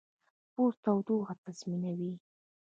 پوست تودوخه تنظیموي.